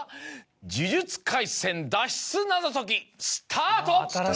『呪術廻戦』脱出謎解きスタート！